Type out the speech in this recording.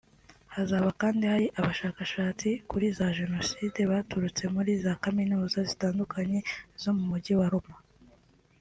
Hazaba kandi hari abashakashatsi kuri za Jenoside baturutse muri za kaminuza zitandukanye zo mu mujyi wa Roma